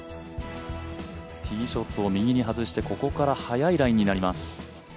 ティーショットを右に外してここから速いラインになります。